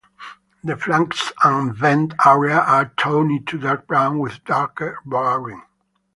The flanks and vent area are tawny to dark brown with darker barring.